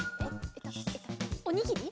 おにぎり？